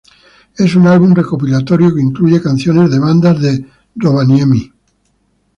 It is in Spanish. Es un álbum recopilatorio que incluye canciones de bandas de Rovaniemi.